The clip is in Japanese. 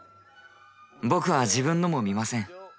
僕は自分のも見ません。